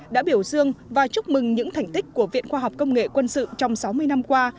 đã biểu dương và chúc mừng những thành tích của viện khoa học công nghệ quân sự trong sáu mươi năm qua